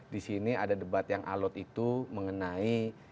disini ada debat yang alot itu mengenai